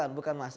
bukan bukan mas